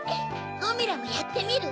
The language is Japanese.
ゴミラもやってみる？